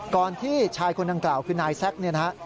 ก่อนที่ชายคนดังกล่าวคือนายแซคนะครับ